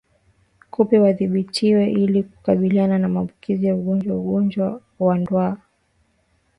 Kupe wadhibitiwe ili kukabiliana na maambukizi ya ugonjwa Ugonjwa wa Ndwa